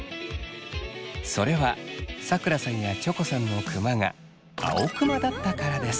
それはさくらさんやチョコさんのクマが青クマだったからです。